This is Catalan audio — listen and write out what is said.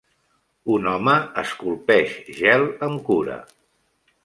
Un home esculpeix gel amb cura